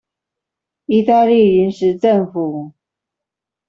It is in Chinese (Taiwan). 義大利臨時政府